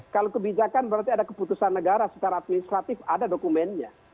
kalau kebijakan berarti ada keputusan negara secara administratif ada dokumennya